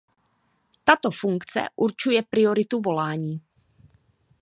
Tato funkce určuje prioritu volání.